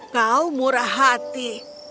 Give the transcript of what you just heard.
kau murah hati